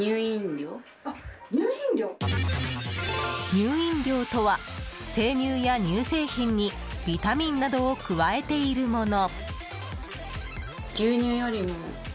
乳飲料とは、生乳や乳製品にビタミンなどを加えているもの。